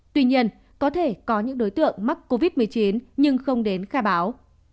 tuy nhiên có thể có những đối tượng mắc covid một mươi chín nhưng không đến khai báo